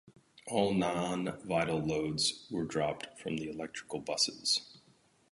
All non-vital loads were dropped from the electrical busses.